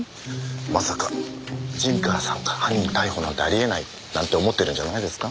まさか陣川さんが犯人逮捕なんてありえないなんて思ってるんじゃないですか？